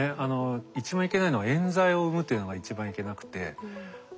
一番いけないのはえん罪を生むというのが一番いけなくて。